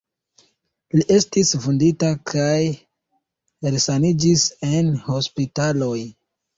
Li estis vundita kaj resaniĝis en hospitaloj.